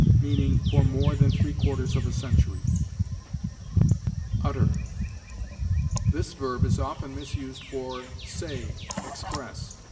meaning, for more than three quarters of a century. UTTER. This verb is often misused for say, express.